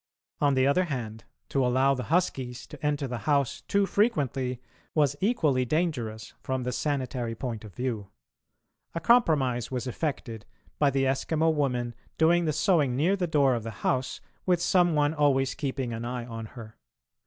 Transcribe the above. On the other hand, to allow the huskies to enter the house too frequently was equally dangerous from the sanitary point of view. A compromise was effected, by the Eskimo woman doing the sewing near the door of the house with some one always keeping an eye on her.